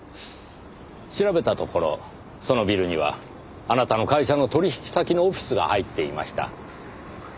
調べたところそのビルにはあなたの会社の取引先のオフィスが入っていました。